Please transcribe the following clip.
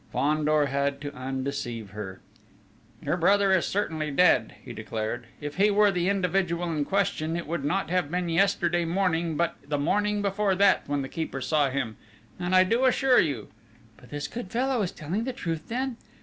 Fandor had to undeceive her: "Your brother is certainly dead," he declared. "If he were the individual in question, it would not have been yesterday morning, but the morning before that, when the keeper saw him; and I do assure you ..." "But this good fellow is telling the truth then?"